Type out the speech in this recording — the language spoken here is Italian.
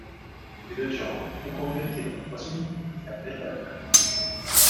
Il Videogioco fu convertito per quasi tutti i sistemi dell'epoca.